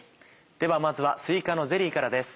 ではまずはすいかのゼリーからです。